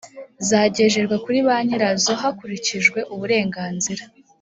zagejejwe kuri ba nyirazo hakurikijwe uburenganzira